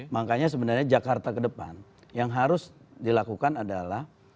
makanya sebenarnya jakarta kedepan yang harus dilakukan adalah